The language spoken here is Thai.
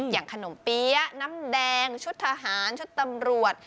อย่างขนมเปี๊ยะน้ำแดงชุดทหารชุดตำรวจ